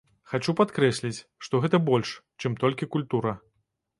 Хачу падкрэсліць, што гэта больш, чым толькі культура.